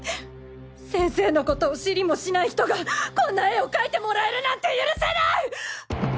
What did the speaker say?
先生のことを知りもしない人がこんな絵を描いてもらえるなんて許せない！！